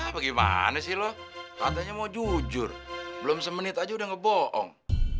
apa gimana sih lo katanya mau jujur belum semenit aja udah ngeboong